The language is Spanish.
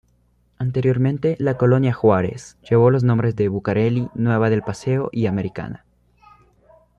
Anteriormente la Colonia Juárez llevó los nombres de Bucareli, Nueva del Paseo y Americana.